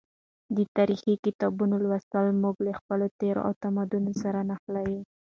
د تاریخي کتابونو لوستل موږ له خپل تیر او تمدن سره نښلوي.